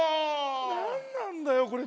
なんなんだよこれ。